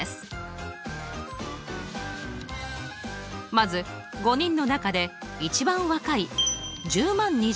まず５人の中で一番若い１０万２０